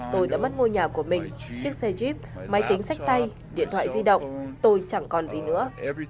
tôi đã mất ngôi nhà của mình chiếc xe jeep máy tính sách tay điện thoại di động tôi chẳng còn gì nữa